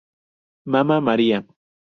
Mamma Maria